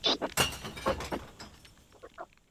زده کړه بریالیتوب ته لاره هواروي.